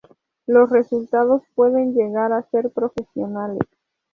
Los resultados pueden llegar a ser profesionales.